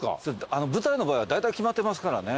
舞台の場合はだいたい決まってますからね